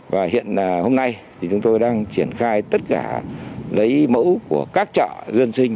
và hiện hôm nay thì chúng tôi đang triển khai tất cả lấy mẫu của các chợ dân sinh